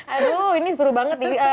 aduh ini seru banget